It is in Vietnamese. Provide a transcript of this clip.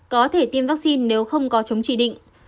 có thể tiêm vaccine nếu không có chống chỉ định